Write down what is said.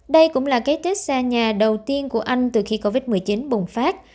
đây cũng là cái tết xa nhà đầu tiên của anh từ khi covid một mươi chín bùng phát